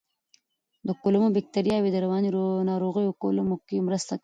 د کولمو بکتریاوې د رواني ناروغیو کمولو کې مرسته کوي.